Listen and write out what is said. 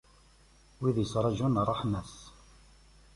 Wid yettraǧun ṛṛeḥma-s.